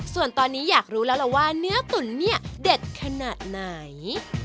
ส่วนตอนนี้อยากรู้แล้วล่ะว่าเนื้อตุ๋นเนี่ยเด็ดขนาดไหน